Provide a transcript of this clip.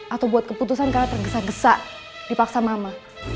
atau buat keputusan karena tergesa gesa dipaksa mama